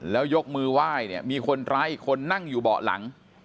แล้วยกมือไหว้เนี่ยมีคนร้ายอีกคนนั่งอยู่เบาะหลัง